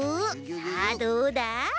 さあどうだ？